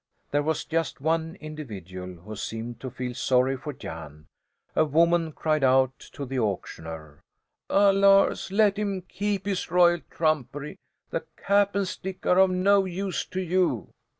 There was just one individual who seemed to feel sorry for Jan. A woman cried out to the auctioneer: "Ah, Lars, let him keep his royal trumpery! The cap and stick are of no use to you."